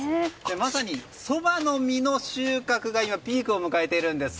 まさに、そばの実の収穫が今ピークを迎えているんです。